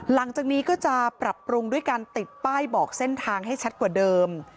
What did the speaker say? หลังจากนี้ก็จะปรับปรุงด้วยการติดป้ายบอกเส้นทางให้ชัดกว่าเดิม